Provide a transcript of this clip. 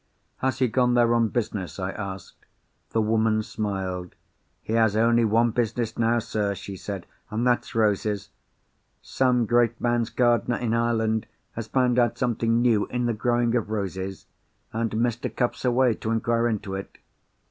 "Has he gone there on business?" I asked. The woman smiled. "He has only one business now, sir," she said; "and that's roses. Some great man's gardener in Ireland has found out something new in the growing of roses—and Mr. Cuff's away to inquire into it."